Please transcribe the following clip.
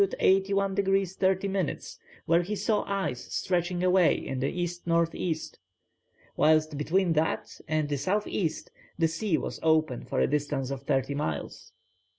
81 degrees 30 minutes, where he saw ice stretching away in the E.N.E., whilst between that and the S.E. the sea was open for a distance of thirty miles.